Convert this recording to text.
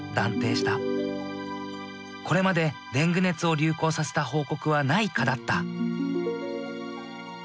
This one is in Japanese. これまでデング熱を流行させた報告はない蚊だった。